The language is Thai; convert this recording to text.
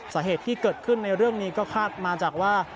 สาเหตุที่เกิดขึ้นในเรื่องนี้ก็คาดมาจากว่า